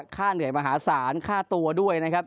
ค่าเหนื่อยมหาศาลค่าตัวด้วยนะครับ